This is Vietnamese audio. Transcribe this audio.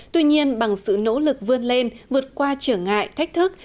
tuy nhiên bằng sự nỗ lực vươn lên vượt qua trở ngại thách thức